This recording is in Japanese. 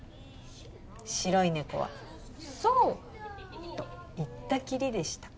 「白いねこは「そう」と言ったきりでした」